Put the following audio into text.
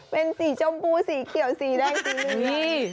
เป็นสีจำบูสีเขียวสีได้ดี